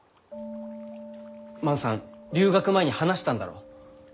万さん留学前に話したんだろう？